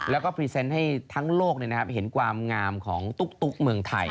แล้วก็พรีเซนต์ให้ทั้งโลกเห็นความงามของตุ๊กเมืองไทย